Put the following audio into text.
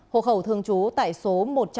hồ hậu thương chú tại số một trăm hai mươi năm